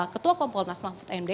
ketua kompolnas mahfud md